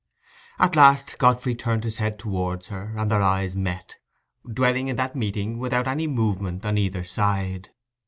At last Godfrey turned his head towards her, and their eyes met, dwelling in that meeting without any movement on either side.